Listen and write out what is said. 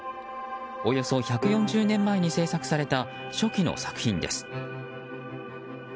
およそ１４０年前に制作された初期の作品です。